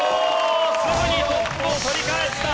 すぐにトップを取り返した！